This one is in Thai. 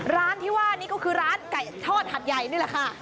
ร้านที่ว่านี่ก็คือร้านไก่ทอดหัดใหญ่นี่แหละค่ะ